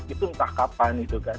itu entah kapan gitu kan